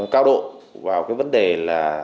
cao độ vào cái vấn đề là